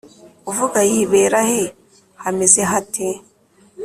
Uvuga yibera he? Hameze hate ?